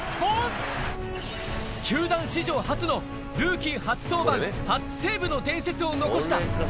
球団史上初のルーキー初登板、初セーブの伝説を残した。